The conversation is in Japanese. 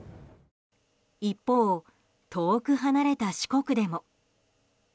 一方、遠く離れた四国でも。